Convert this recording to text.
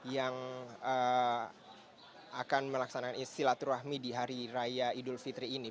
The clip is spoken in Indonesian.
yang akan melaksanakan silaturahmi di hari raya idul fitri ini